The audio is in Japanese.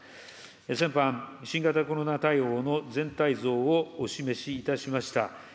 先般、新型コロナ対応の全体像をお示しいたしました。